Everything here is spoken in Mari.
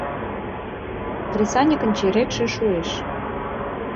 Кресаньыкын черетше шуэш.